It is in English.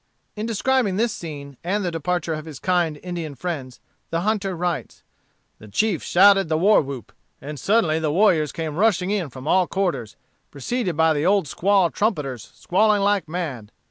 In describing this scene and the departure of his kind Indian friends, the hunter writes: "The chief shouted the war whoop, and suddenly the warriors came rushing in from all quarters, preceded by the old squaw trumpeters squalling like mad.